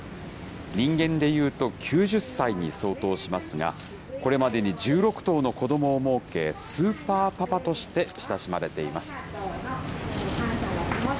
人間でいうと９０歳に相当しますが、これまでに１６頭の子どもをもうけ、スーパーパパとして親しまれています。